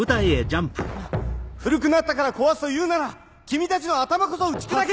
古くなったから壊すというなら君たちの頭こそ打ち砕け！